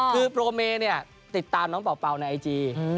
คือโปรเมเนี่ยติดตามน้องเป่าในไอจี